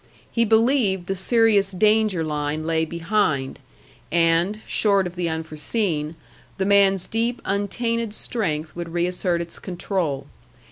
He believed the serious danger line lay behind, and (short of the unforeseen) the man's deep untainted strength would reassert its control.